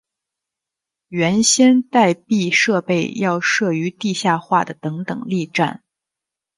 原先待避设备要设于地下化的等等力站。